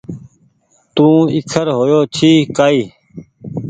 تو ايکر هيو ڇي ڪآئي